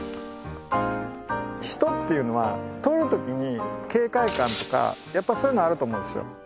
人っていうのは撮るときに警戒感とかやっぱりそういうのあると思うんですよ。